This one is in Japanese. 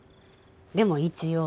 でも一応ね。